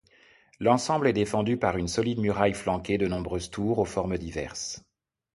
L'ensemble est défendu par une solide muraille flanquée de nombreuses tours aux formes diverses.